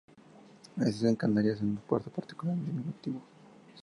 Existe en Canarias un uso particular del diminutivo.